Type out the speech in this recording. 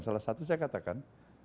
salah satu saya katakan